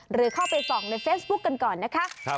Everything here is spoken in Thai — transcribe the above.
หรือเข้าไปส่องในเฟซบุ๊คกันก่อนนะคะ